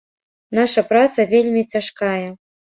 Наша праца вельмі цяжкая.